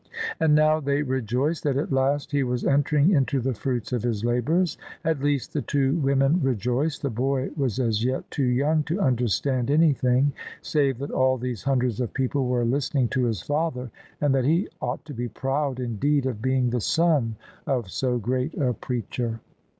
And now they rejoiced that at last he was entering into the fruits of his labours. At least the two women rejoiced : the boy was as yet too young to understand anything save that all these hundreds of people were listening to his father, and that he ought to be proud indeed of being the son of so great a preacher.